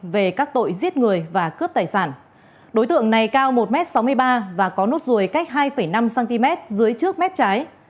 về các tội giết người và cướp tài sản đối tượng này cao một m sáu mươi ba và có nốt ruồi cách hai năm cm dưới trước mép trái